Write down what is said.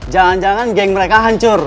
jangan jangan geng mereka hancur